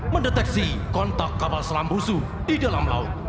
mendeteksi kontak kapal selam musuh di dalam laut